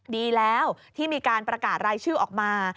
ดีแล้วที่มีการประกาศรายชื่อออกมา